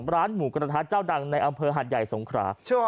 ร้านหมูกระทะเจ้าดังในอำเภอหาดใหญ่สงขรา